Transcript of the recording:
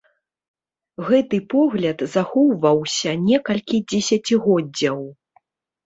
Гэты погляд захоўваўся некалькі дзесяцігоддзяў.